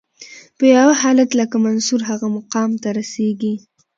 په یو حالت کې لکه منصور هغه مقام ته رسیږي.